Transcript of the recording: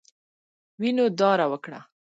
وینو داره وکړه.